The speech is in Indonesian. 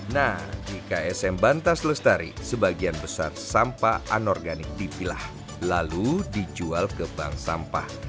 nah di ksm bantas lestari sebagian besar sampah anorganik dipilah lalu dijual ke bank sampah